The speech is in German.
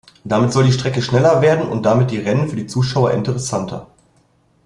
Damit soll die Strecke schneller werden und damit die Rennen für die Zuschauer interessanter.